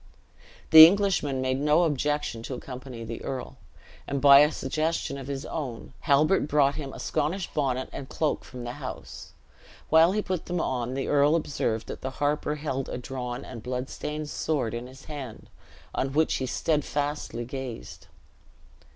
The Englishman made no objection to accompany the earl; and by a suggestion of his own, Halbert brought him a Scottish bonnet and cloak from the house. While he put them on, the earl observed that the harper held a drawn and blood stained sword in his hand, on which he steadfastly gazed.